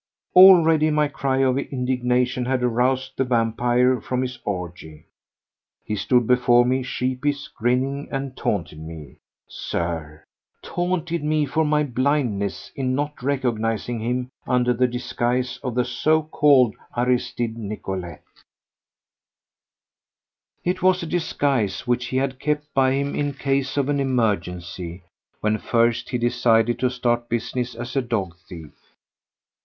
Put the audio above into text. Already my cry of indignation had aroused the vampire from his orgy. He stood before me sheepish, grinning, and taunted me, Sir—taunted me for my blindness in not recognizing him under the disguise of the so called Aristide Nicolet. It was a disguise which he had kept by him in case of an emergency when first he decided to start business as a dog thief.